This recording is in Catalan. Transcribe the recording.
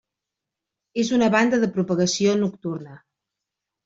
És una banda de propagació nocturna.